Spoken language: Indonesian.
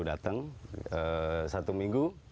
datang satu minggu